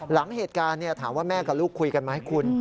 หลังเหตุการณ์ถามว่าแม่กับลูกคุยกันไหมคุณ